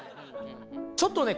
ちょっとね